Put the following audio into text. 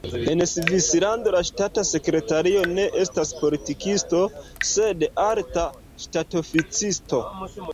En Svislando la ŝtata sekretario ne estas politikisto, sed alta ŝtatoficisto.